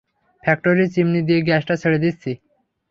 ফ্যাক্টরির চিমনি দিয়ে গ্যাসটা ছেড়ে দিচ্ছি।